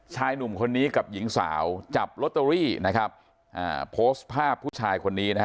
ชายหนุ่มคนนี้กับหญิงสาวจับลอตเตอรี่โพสต์ภาพผู้ชายคนนี้